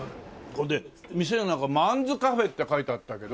ほんで店のなんか「まんずｃａｆｅ」って書いてあったけど。